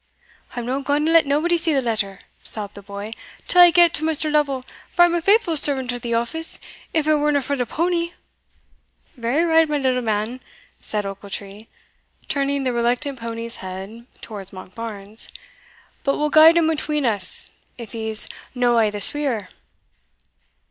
"I'm no gaun to let naebody see the letter," sobbed the boy, "till I gie't to Mr. Lovel, for I am a faithfu' servant o' the office if it werena for the powny." "Very right, my little man," said Ochiltree, turning the reluctant pony's head towards Monkbarns; "but we'll guide him atween us, if he's no a' the sweerer."